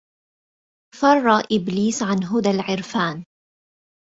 فر إبليس عن هدى العرفان